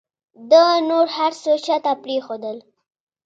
ده نور هر څه شاته پرېښودل.